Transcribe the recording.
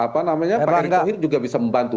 pak erik tohir juga bisa membantu